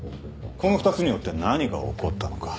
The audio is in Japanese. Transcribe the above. この２つによって何が起こったのか？